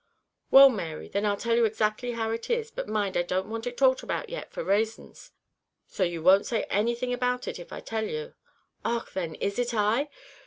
"Well, Mary, then I'll tell you exactly how it is but mind, I don't want it talked about yet for rasons; so you won't say anything about it if I tell you?" "Och then! is it I?